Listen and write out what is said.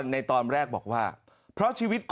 ในตอนแรกบอกว่า